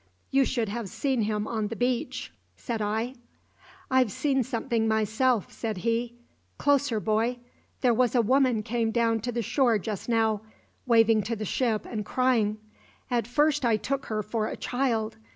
"You should have seen him on the beach," said I. "I've seen something myself," said he. "Closer, boy there was a woman came down to the shore just now, waving to the ship and crying. At first I took her for a child.